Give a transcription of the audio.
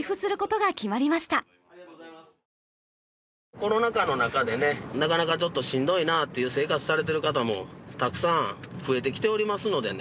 コロナ禍の中でねなかなかちょっとしんどいなっていう生活されてる方もたくさん増えてきておりますのでね